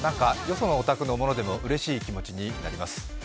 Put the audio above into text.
そのお宅のものでもうれしい気持ちになります。